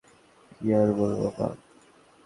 কি আর বলবো মা?